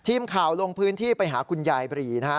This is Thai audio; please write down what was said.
ทีมข่าวลงพื้นที่ไปหาคุณยายบรีนะฮะ